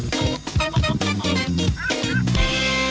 สวัสดีค่ะ